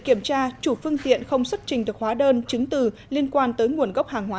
kiểm tra chủ phương tiện không xuất trình được hóa đơn chứng từ liên quan tới nguồn gốc hàng hóa